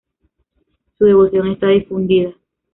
Su devoción está difundida.